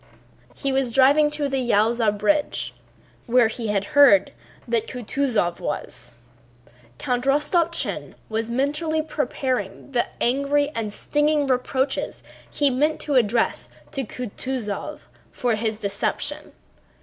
He was driving to the Yaúza bridge where he had heard that Kutúzov was. Count Rostopchín was mentally preparing the angry and stinging reproaches he meant to address to Kutúzov for his deception.